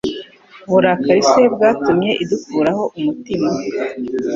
Uburakari se bwatumye idukuraho umutima?